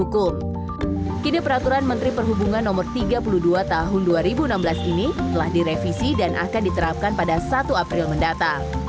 kini peraturan menteri perhubungan no tiga puluh dua tahun dua ribu enam belas ini telah direvisi dan akan diterapkan pada satu april mendatang